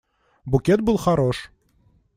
Букет был хорош.